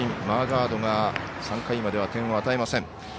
マーガードが３回までは点を与えません。